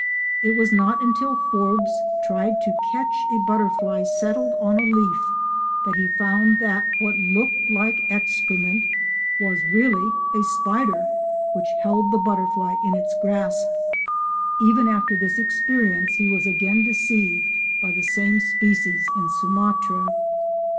It was not until Forbes tried to catch a butterfly settled on a leaf that he found that what looked like excrement was really a spider which held the butterfly in its grasp. Even after this experience he was again deceived by the same species in Sumatra.